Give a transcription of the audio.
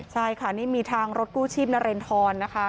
ใช่ค่ะนี่มีทางรถกู้ชีพนเรนทรนะคะ